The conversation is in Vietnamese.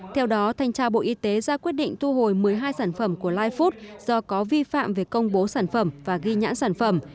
theo đó thanh tra bộ y tế ra quyết định thu hồi một mươi hai sản phẩm của lifeot do có vi phạm về công bố sản phẩm và ghi nhãn sản phẩm